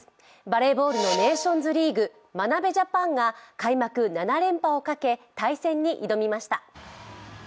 バレーボールのネーションズリーグ眞鍋ジャパンが開幕７連覇をかけ対戦に挑みました。